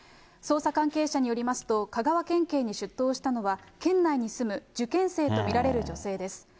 捜査関係者によりますと、香川県警に出頭したのは、県内に住む受験生と見られる女性です。